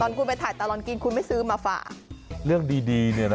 คุณไปถ่ายตลอดกินคุณไม่ซื้อมาฝากเรื่องดีดีเนี่ยนะ